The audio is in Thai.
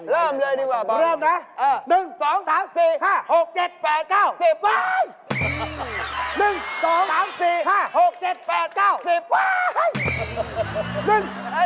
เริ่มเลยดีกว่าบอลเริ่มนะเอ่อ